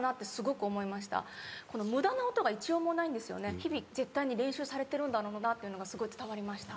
日々絶対に練習されてるんだろうっていうのがすごい伝わりました。